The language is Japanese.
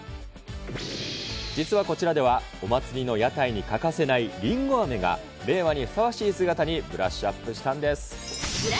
実はこちらでは、お祭りの屋台に欠かせないりんごあめが令和にふさわしい姿にブラブラッシュアップ。